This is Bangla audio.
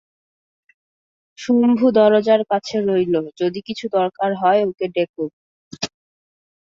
শম্ভু দরজার কাছে রইল, যদি কিছু দরকার হয় ওকে ডেকো।